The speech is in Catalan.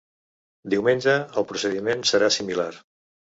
Diumenge, el procediment serà similar.